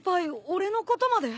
俺のことまで？